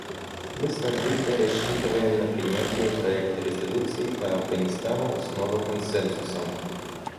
Мы с надеждой рассчитываем на принятие проекта резолюции по Афганистану снова консенсусом.